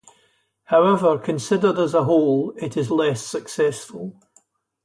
However, considered as a whole, it is less successful.